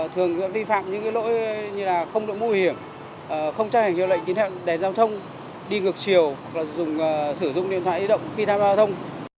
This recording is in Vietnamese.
thường vi phạm những lỗi như không được mô hiểm không trang hành hiệu lệnh kín hẹn đèn giao thông đi ngược chiều sử dụng điện thoại đi động khi tham gia giao thông